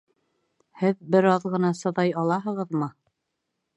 Һеҙ бер аҙ ғына сыҙай алаһығыҙмы?